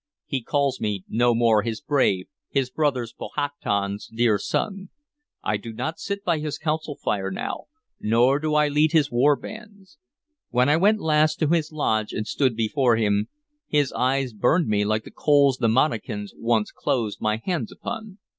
He calls me no more his brave, his brother Powhatan's dear son. I do not sit by his council fire now, nor do I lead his war bands. When I went last to his lodge and stood before him, his eyes burned me like the coals the Monacans once closed my hands upon.